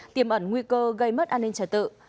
tiềm ẩn nguy cơ gây mất an ninh trả tự